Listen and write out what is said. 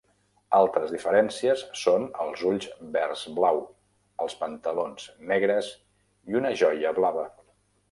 Altres diferències són els ulls verds blau, els pantalons negres i una joia blava.